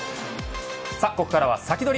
さあここからはサキドリ！